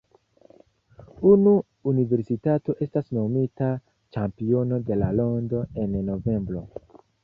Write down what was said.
Unu universitato estas nomita ĉampiono de la rondo en novembro.